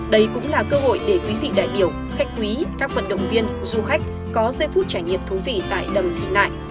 đây cũng là cơ hội để quý vị đại biểu khách quý các vận động viên du khách có giây phút trải nghiệm thú vị tại đầm thị nại